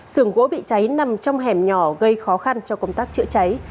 sườn gỗ bị cháy nằm trong hẻm nhỏ gây khó khăn cho công tác chữa cháy